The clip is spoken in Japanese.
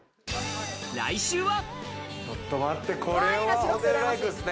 来週は。